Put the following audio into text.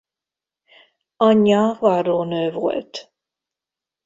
Anyja varrónő volt.